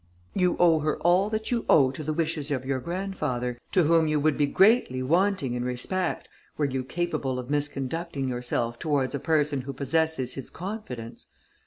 "You owe her all that you owe to the wishes of your grandfather, to whom you would be greatly wanting in respect, were you capable of misconducting yourself towards a person who possesses his confidence.